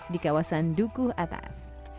di kawasan duku atas